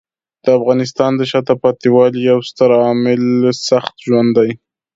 د افغانستان د شاته پاتې والي یو ستر عامل سخت ژوند دی.